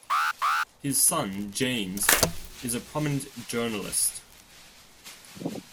His son, James, is a prominent journalist.